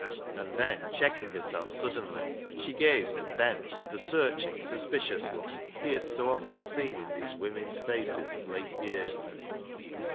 And then, checking herself suddenly, she gazed at Ben with the searching, suspicious look he had so often seen in these women's faces of late years.